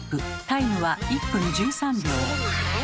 タイムは１分１３秒。